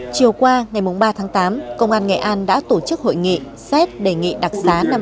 chiều qua ngày ba tháng tám công an nghệ an đã tổ chức hội nghị xét đề nghị đặc xá năm hai nghìn một mươi năm